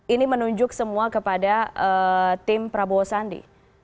ini menunjuk semua kepada tim prabowo sandi